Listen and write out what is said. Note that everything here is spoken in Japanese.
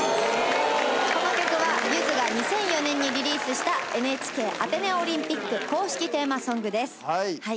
この曲はゆずが２００４年にリリースしたＮＨＫアテネオリンピック公式テーマソングです。